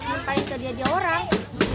ngapain ke dia dia orang